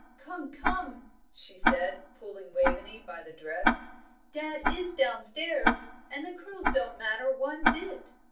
"Come, come," she said, pulling Waveney by the dress. "Dad is downstairs, and the curls don't matter one bit."